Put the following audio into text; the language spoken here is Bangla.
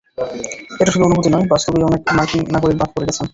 এটা শুধু অনুভূতি নয়, বাস্তবেই অনেক মার্কিন নাগরিক বাদ পড়ে গেছেন।